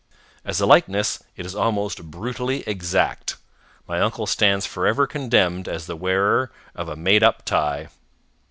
As a likeness, it is almost brutally exact. My uncle stands forever condemned as the wearer of a made up tie.